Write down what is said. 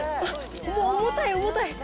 もう、重たい、重たい。